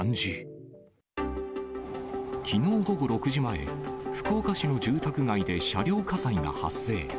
きのう午後６時前、福岡市の住宅街で車両火災が発生。